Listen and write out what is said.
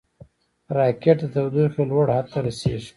راکټ د تودوخې لوړ حد ته رسېږي